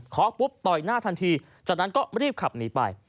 ปุ๊บต่อยหน้าทันทีจากนั้นก็รีบขับหนีไป